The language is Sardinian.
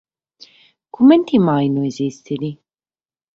Comente mai no esistit?